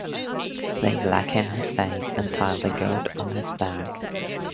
They blacken his face and tie the goat on his back.